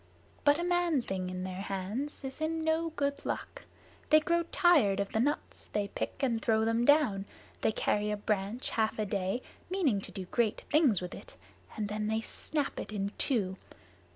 But a man thing in their hands is in no good luck. They grow tired of the nuts they pick, and throw them down. They carry a branch half a day, meaning to do great things with it, and then they snap it in two.